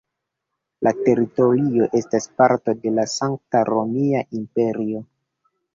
La teritorio estis parto de la Sankta Romia Imperio.